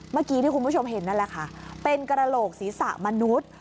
เมื่อกี้ที่คุณผู้ชมเห็นนั่นแหละค่ะเป็นกระโหลกศีรษะมนุษย์